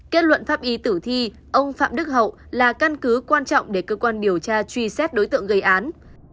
kết luận pháp y tử thi ông phạm đức hậu là căn cứ quan trọng để cơ quan điều tra truy xét đối tượng gây án